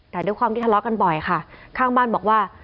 แต่ด้วยความที่ทะเลาะกันบ่อยค่ะข้างบ้านบอกว่า